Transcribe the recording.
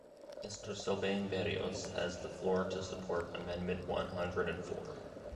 Mr Sylvain Berrios has the floor to support amendment one hundred and four.